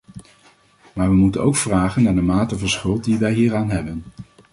Maar we moeten ook vragen naar de mate van schuld die wij hieraan hebben.